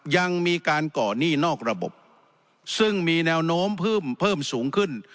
ยังมีการก่อหนี้นอกระบบซึ่งมีแนวโน้มเพิ่มสูงขึ้น